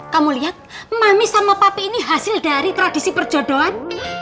kamu lihat mami sama papi ini hasil dari tradisi perjodohan